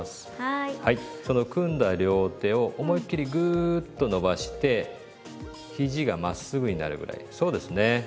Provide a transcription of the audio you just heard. その組んだ両手を思いっ切りグーッと伸ばしてひじがまっすぐになるぐらいそうですね。